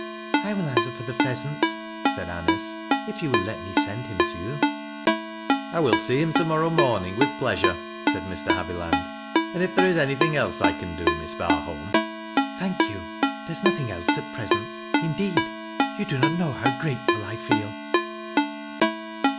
" I will answer for the pheasants," said Anice, " if you will let me send him to you." " I will see him to morrow morning with pleasure," said Mr. Haviland. " And if there is anything else I can do, Miss Barholm "" Thank, you, there is nothing else at present. Lideed, you do not know how grateful 1 feel."